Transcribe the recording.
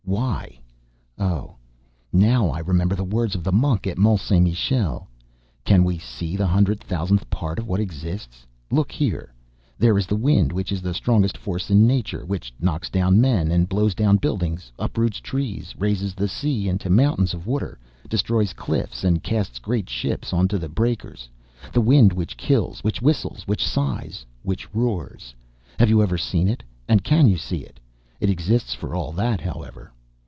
Why? Oh! Now I remember the words of the monk at Mont Saint Michel: "Can we see the hundred thousandth part of what exists? Look here; there is the wind which is the strongest force in nature, which knocks down men, and blows down buildings, uproots trees, raises the sea into mountains of water, destroys cliffs and casts great ships onto the breakers; the wind which kills, which whistles, which sighs, which roars have you ever seen it, and can you see it? It exists for all that, however!"